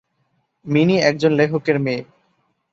Mini একজন লেখকের মেয়ে।